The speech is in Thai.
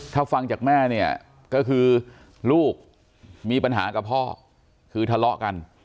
ถ้าฟังจากแม่เนี่ยก็คือลูกมีปัญหากับพ่อคือทะเลาะกัน